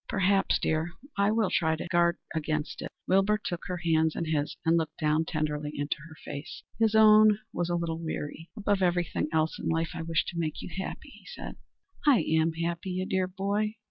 "Perhaps, dear. I will try to guard against it." Wilbur took her hands in his and looked down tenderly into her face. His own was a little weary. "Above everything else in life I wish, to make you happy," he said. "I am happy, you dear boy."